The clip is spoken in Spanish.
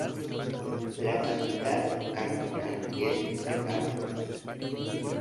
La capital cantonal es San Galo.